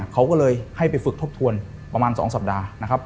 เขาก็เลยให้ไปฝึกทบทวนประมาณ๒สัปดาห์นะครับ